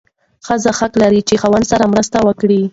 ښځه حق لري چې خاوند سره مرسته وکړي.